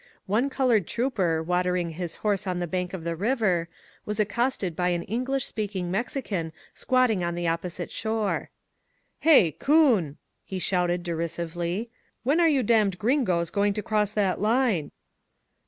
One colored trooper, watering his horse on the bank of the river, was accosted by an English speaking Mexi can squatting on the opposite shore: *'Hey, coon!" he shouted, derisively, "when are you damned Gringos going to cross that line?"